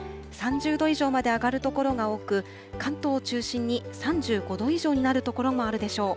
３０度以上まで上がる所が多く、関東を中心に３５度以上になる所もあるでしょう。